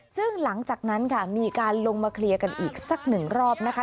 ซึ่งหลังจากนั้นค่ะมีการลงมาเคลียร์กันอีกสักหนึ่งรอบนะคะ